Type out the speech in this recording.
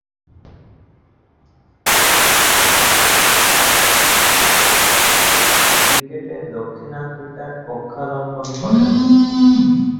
ক্রিকেটে দক্ষিণ আফ্রিকার পক্ষাবলম্বন করেন।